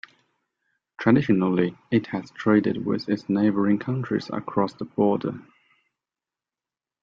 Traditionally, it has traded with its neighbouring countries across the border.